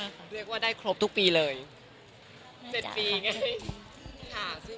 เรียกว่าได้ครบทุกปีเลย๗ปีไง